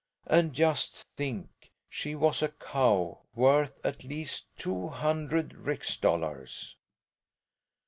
And just think! She was a cow worth at least two hundred rix dollars.